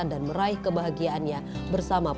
tidak perlu membutuhkan kepada bagian untuk membebaskan pandemi